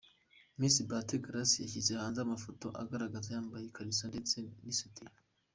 Miss Bahati Grace yashyize hanze amafoto agaragaza yambaye ikariso ndetse n’ isutiya.